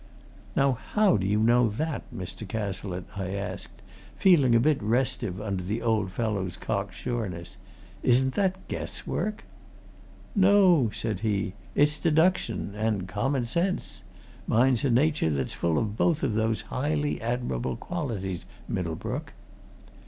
"Now, how do you know that, Mr. Cazalette?" I asked, feeling a bit restive under the old fellow's cock sureness. "Isn't that guess work?" "No!" said he. "It's deduction and common sense. Mine's a nature that's full of both those highly admirable qualities, Middlebrook."